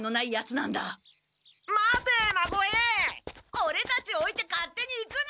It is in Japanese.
オレたちをおいて勝手に行くな！